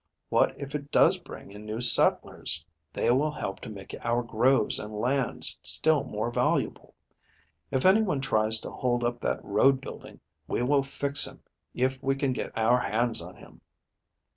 What if it does bring in new settlers? They will help to make our groves and lands still more valuable. If any one tries to hold up that road building we will fix him if we can get our hands on him."